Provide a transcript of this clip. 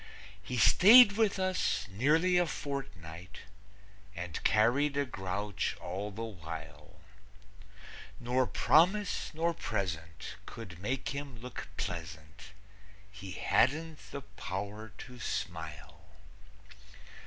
He stayed with us nearly a fortnight And carried a grouch all the while, Nor promise nor present could make him look pleasant; He hadn't the power to smile.